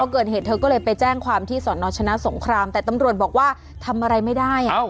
เกิดเหตุเธอก็เลยไปแจ้งความที่สอนอชนะสงครามแต่ตำรวจบอกว่าทำอะไรไม่ได้